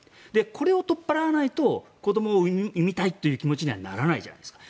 これを取っ払わないと子どもを産みたいという気持ちにはならないじゃないですか。